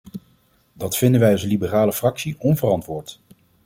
Dat vinden wij als liberale fractie onverantwoord.